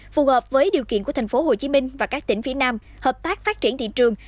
phù hợp với điều kiện của tp hcm và các tỉnh phía nam hợp tác phát triển thị trường